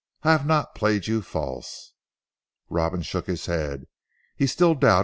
I have not played you false." Robin shook his head. He still doubted.